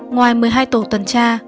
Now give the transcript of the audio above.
ngoài một mươi hai tổ tuần tra